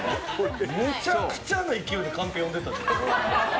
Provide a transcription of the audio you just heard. めちゃくちゃの勢いでカンペ読んでたで。